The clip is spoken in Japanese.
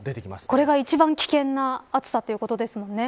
これが一番危険な暑さということですもんね。